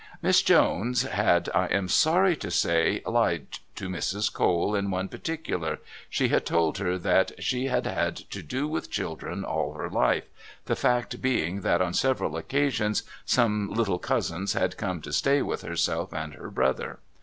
Miss Jones had, I am sorry to say, lied to Mrs. Cole in one particular. She had told her that "she had had to do with children all her life," the fact being that on several occasions some little cousins had come to stay with herself and her brother.